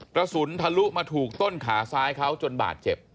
กระสุนทะลุมาถูกต้นขาซ้ายเขาจนบาดเจ็บ